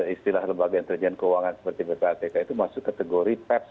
istilah lembaga yang terjadi keuangan seperti ppatk itu masuk kategori peps